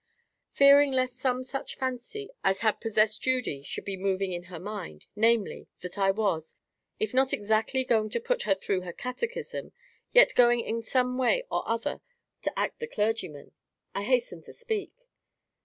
Fearing lest some such fancy as had possessed Judy should be moving in her mind, namely, that I was, if not exactly going to put her through her Catechism, yet going in some way or other to act the clergyman, I hastened to speak.